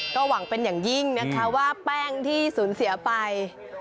ก็หวังเป็นอย่างยิ่งนะคะว่าแป้งที่สูญเสียไป